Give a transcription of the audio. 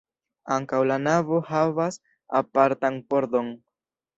Ankaŭ la navo havas apartan pordon.